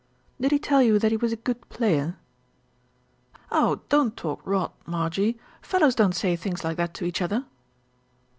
"Did he tell you that he was a good player?" "Oh! don't talk rot, Marjie. Fellows don't say things like that to each other."